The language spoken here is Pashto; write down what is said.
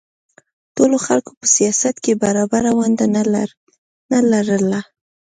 ټولو خلکو په سیاست کې برابره ونډه نه لرله.